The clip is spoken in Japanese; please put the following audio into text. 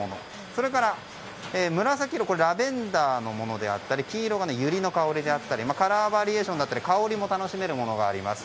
それから紫色はラベンダーのものであったり黄色がユリの香りだったりカラーバリエーションだったり香りも楽しめるものがあります。